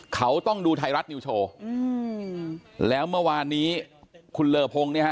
เขาต้องดูไทยรัฐนิวโชว์อืมแล้วเมื่อวานนี้คุณเลอพงเนี่ยฮะ